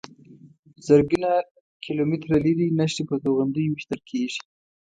زرګونه کیلومتره لرې نښې په توغندیو ویشتل کېږي.